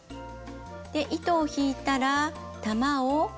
で糸を引いたら玉を隠します。